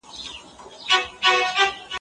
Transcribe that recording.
په تندي كي مي اوس ګونجي